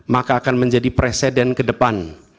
maka akan menjadi presiden ke depan